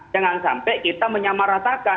jangan sampai kita menyamaratakan